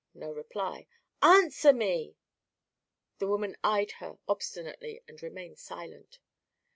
No reply. "Answer me!" The woman eyed her obstinately and remained silent.